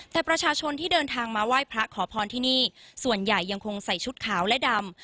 แต่ประชาชนที่เดินทางมาไหว้พระขอพรที่นี่ส่วนใหญ่ยังคงใส่ชุดขาวและดำ